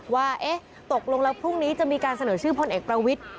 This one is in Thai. ว่าตกลงแล้วพรุ่งนี้จะมีการเสนอชื่อพลเอกประวิทธิ